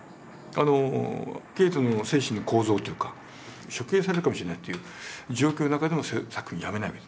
ケーテの精神の構造というか処刑されるかもしれないという状況の中でも作品をやめない。